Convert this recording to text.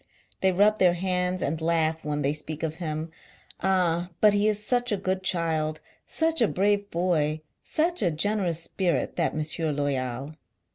They rub their hands and laugh when they speak of him. Ah, but he is such a good child, such a brave boy, such a generous spirit, that Monsieur Loyal !